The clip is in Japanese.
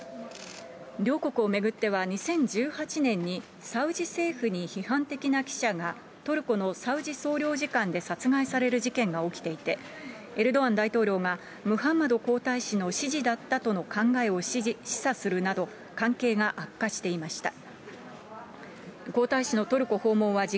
両国を巡っては、２０１８年にサウジ政府に批判的な記者がトルコのサウジ総領事館で殺害される事件が起きていて、エルドアン大統領が、ムハンマド皇太子の指示だったとの考えを示唆するなど、関係が悪化していました。